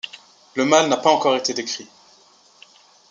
Le mâle n'a pas encore été décrit.